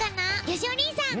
よしお兄さん！